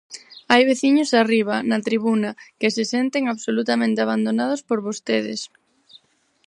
Hai veciños arriba, na tribuna, que se senten absolutamente abandonados por vostedes.